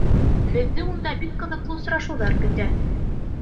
Беҙҙе унда бик ҡыҙыҡлы осрашыуҙар көтә.